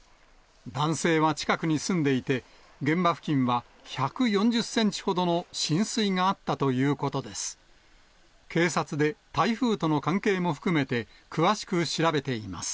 男性は近くに住んでいて、現場付近は１４０センチほどの浸水があったということです。